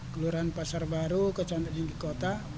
kelurahan pasar baru kecantan jenggikota